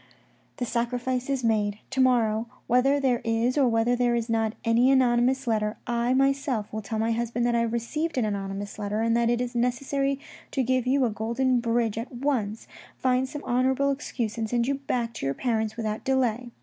The sacrifice is made; to morrow, whether there is or whether there is not any anonymous letter, I myself will tell my husband I have received an anonymous letter and that it is necessary to give you a golden bridge at once, find some honourable excuse, and send you back to your parents without delay.